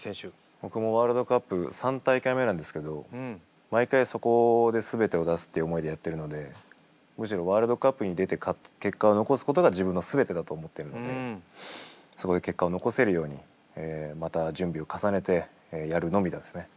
僕もワールドカップ３大会目なんですけど毎回そこで全てを出すっていう思いでやってるのでむしろワールドカップに出て結果を残すことが自分の全てだと思ってるんでそこで結果を残せるようにまた準備を重ねてやるのみですね。